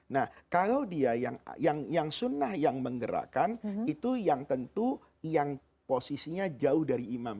nah kalau dia yang sunnah yang menggerakkan itu yang tentu yang posisinya jauh dari imam